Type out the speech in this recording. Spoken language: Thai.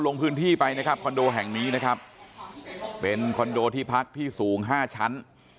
ลงพื้นที่ไปนะครับคอนโดแห่งนี้นะครับเป็นคอนโดที่พักที่สูงห้าชั้น